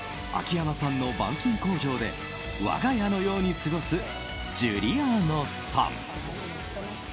秋山さんの板金工場で我が家のように過ごすジュリアーノさん。